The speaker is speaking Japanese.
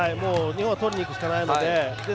日本は取りにいくしかないので。